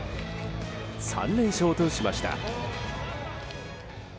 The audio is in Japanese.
３連勝としました。